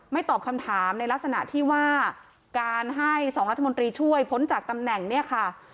ตอบคำถามในลักษณะที่ว่าการให้๒รัฐมนตรีช่วยพ้นจากตำแหน่งเนี่ยค่ะ